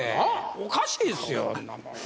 おかしいですよあんなもん。